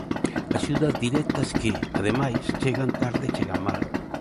Axudas directas que, ademais, chegan tarde e chegan mal.